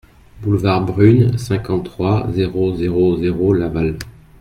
Boulevard Brune, cinquante-trois, zéro zéro zéro Laval